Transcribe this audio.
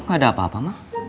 gak ada apa apa mah